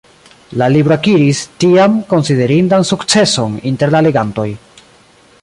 La libro akiris, tiam, konsiderindan sukceson inter la legantoj.